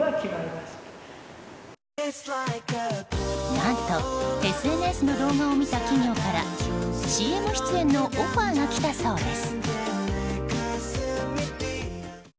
何とＳＮＳの動画を見た企業からＣＭ出演のオファーが来たそうです。